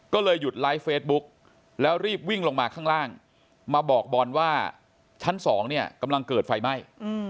ก็เลยหยุดไลฟ์เฟซบุ๊กแล้วรีบวิ่งลงมาข้างล่างมาบอกบอลว่าชั้น๒เนี่ยกำลังเกิดไฟไหม้